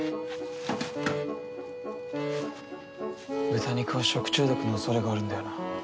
豚肉は食中毒のおそれがあるんだよな。